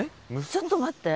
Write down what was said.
ちょっと待って。